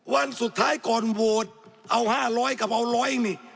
วันสุดท้ายก่อนโหวตเอา๕๐๐กับเอาร้อยเองนี่